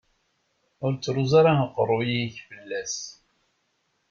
Ur ttruẓu ara aqerru-k fell-as.